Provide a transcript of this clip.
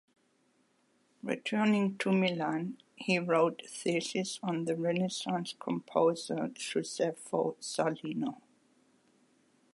Returning to Milan, he wrote a thesis on the Renaissance composer Gioseffo Zarlino.